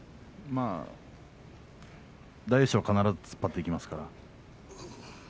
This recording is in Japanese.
まあ大栄翔は必ず突っ張ってきますから。